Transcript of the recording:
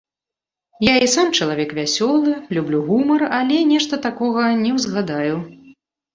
Я і сам чалавек вясёлы, люблю гумар, але нешта такога не ўзгадаю.